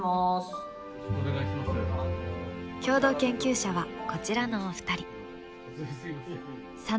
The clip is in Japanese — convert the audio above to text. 共同研究者はこちらのお二人。